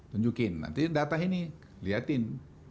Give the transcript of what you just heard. tunjukin nanti data ini liatin